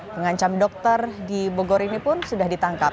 pengancam dokter di bogor ini pun sudah ditangkap